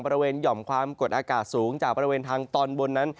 หย่อมความกดอากาศสูงจากบริเวณทางตอนบนนั้น